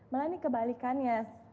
malah ini kebalikannya